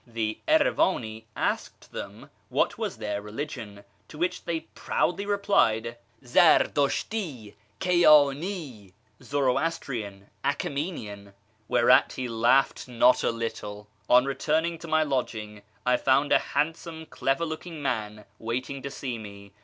The Erivani asked them what was their religion, to which they proudly replied, " ZardusMi, Kiydni "(" Zoroastrian, Achaemenian "), wherci.t he laughed not a little. On returning to my lodging, I found a handsome clever looking man waiting to see me.